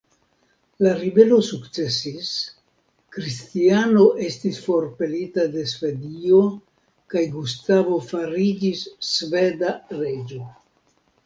La ribelo sukcesis, Kristiano estis forpelita de Svedio, kaj Gustavo fariĝis sveda reĝo.